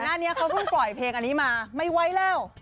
หน้านี้เขาเพิ่งปล่อยเพลงอันนี้มาไม่ไหวแล้ว